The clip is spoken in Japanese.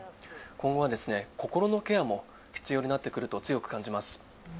今後は心のケアも必要になってくると強く感じます。